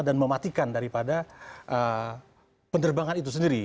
dan mematikan daripada penerbangan itu sendiri